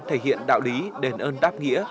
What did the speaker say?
thể hiện đạo lý đền ơn đáp nghĩa